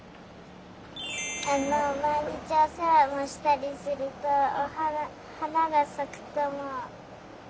あのまいにちおせわをしたりするとはながさくとおもう。